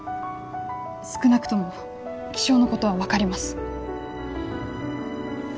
少なくとも気象のことは分かります。